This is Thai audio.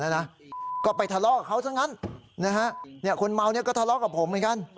เนี่ยคุณเมานี่ก็ทะเลาะกับผมเหมือนกัน